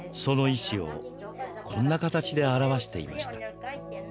その意志をこんな形で表していました。